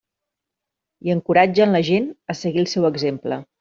I encoratgen la gent a seguir el seu exemple.